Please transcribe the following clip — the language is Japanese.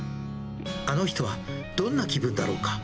あの人はどんな気分だろうか。